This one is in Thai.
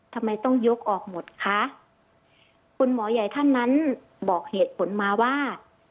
ทำไมต้องยกออกหมดคะคุณหมอใหญ่ท่านนั้นบอกเหตุผลมาว่า